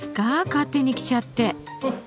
勝手に着ちゃって。